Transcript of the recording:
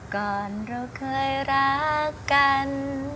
ก่อนเราเคยรักกัน